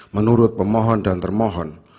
menurut pemohon dan termohon